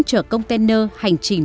chở container hành trình